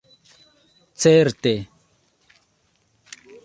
Certe.